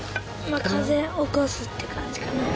風を起こすって感じかな。